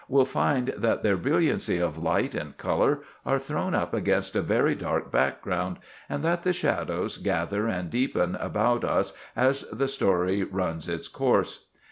—will find that their brilliancy of light and color are thrown up against a very dark background, and that the shadows gather and deepen about us as the story runs its course.